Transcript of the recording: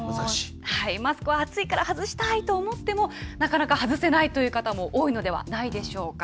マスクは暑いから外したいと思っても、なかなか外せないという方も多いのではないでしょうか。